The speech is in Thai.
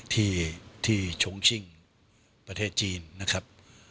ที่ชงชิ่งประเทศจีนนะครับ